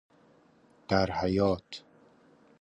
در حیاط